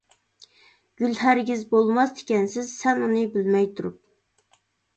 گۈل ھەرگىز بولماس تىكەنسىز، سەن ئۇنى بىلمەي تۇرۇپ.